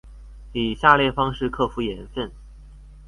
以下列方式克服鹽分